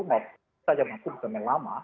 maupun saja maksud pemain lama